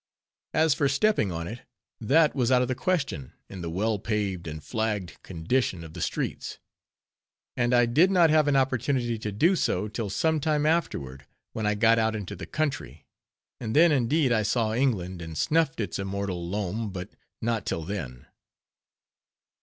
As for stepping on it, that was out of the question, in the well paved and flagged condition of the streets; and I did not have an opportunity to do so till some time afterward, when I got out into the country; and then, indeed, I saw England, and snuffed its immortal loam—but not till then.